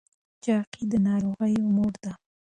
چاقي د ناروغیو مور ده.